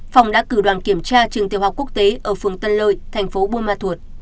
phòng đã cử đoàn kiểm tra trường tiểu học quốc tế ở phường tân lợi thành phố buôn ma thuột